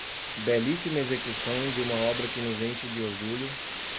Belíssima execução de uma obra que nos enche de orgulho